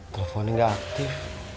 teleponnya gak aktif